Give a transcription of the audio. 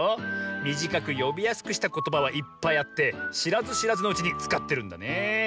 みじかくよびやすくしたことばはいっぱいあってしらずしらずのうちにつかってるんだねえ。